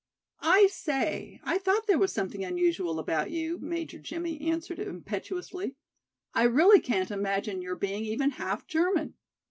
"I say, I thought there was something unusual about you," Major Jimmie answered impetuously. "I really can't imagine your being even half German.